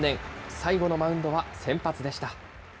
最後のマウンドは先発でした。